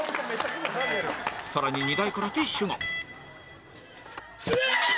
さらに荷台からティッシュがうわー！